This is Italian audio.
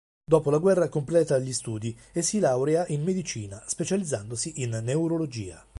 Dopo la guerra completa gli studi e si laurea in medicina, specializzandosi in neurologia.